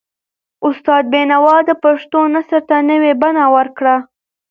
استاد بینوا د پښتو نثر ته نوي بڼه ورکړه.